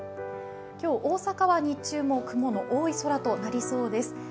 今日、大阪は日中も雲の多い空となりそうです。